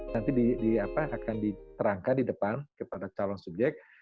nanti akan diterangkan di depan kepada calon subjek